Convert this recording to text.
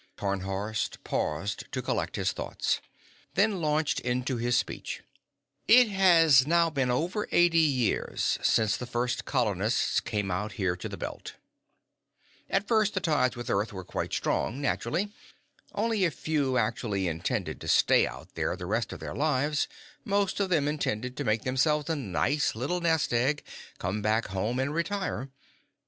Tarnhorst paused to collect his thoughts, then launched into his speech. "It has now been over eighty years since the first colonists came out here to the Belt. At first, the ties with Earth were quite strong, naturally. Only a few actually intended to stay out there the rest of their lives; most of them intended to make themselves a nice little nest egg, come back home, and retire.